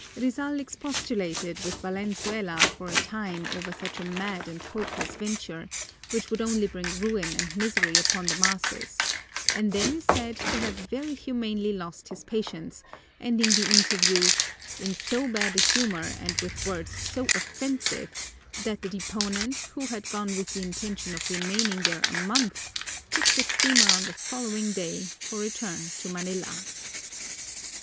Rizal expostulated with Valenzuela for a time over such a mad and hopeless venture, which would only bring ruin and misery upon the masses, and then is said to have very humanly lost his patience, ending the interview "in so bad a humor and with words so offensive that the deponent, who had gone with the intention of remaining there a month, took the steamer on the following day, for return to Manila."